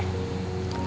diambil sama sopir